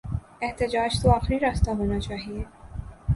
احتجاج تو آخری راستہ ہونا چاہیے۔